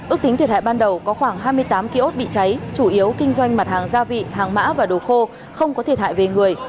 ước tính thiệt hại ban đầu có khoảng hai mươi tám kiosk bị cháy chủ yếu kinh doanh mặt hàng gia vị hàng mã và đồ khô không có thiệt hại về người